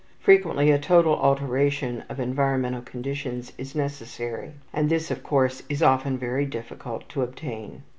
Frequently a total alteration of environmental conditions is necessary, and this, of course, is often very difficult to obtain.